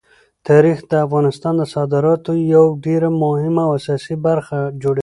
تاریخ د افغانستان د صادراتو یوه ډېره مهمه او اساسي برخه جوړوي.